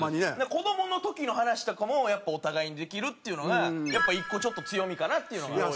子どもの時の話とかもやっぱお互いにできるっていうのが１個ちょっと強みかなっていうのがあって。